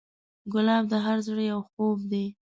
ګلاب د هر زړه یو خوب دی.